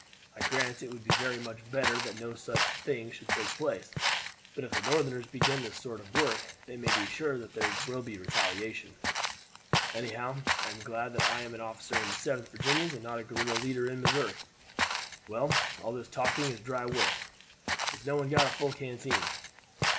I grant it would be very much better that no such thing should take place; but if the Northerners begin this sort of work they may be sure that there will be retaliation. Anyhow, I am glad that I am an officer in the 7th Virginians and not a guerrilla leader in Missouri. Well, all this talking is dry work. Has no one got a full canteen?"